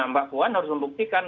mbak puan harus membuktikan